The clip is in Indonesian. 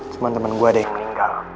cuma teman gue ada yang meninggal